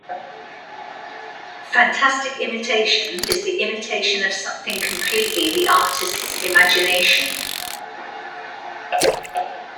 Phantastic imitation is the imitation of something completely the artist's imagination.